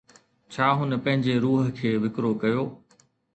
ڇا هن پنهنجي روح کي وڪرو ڪيو؟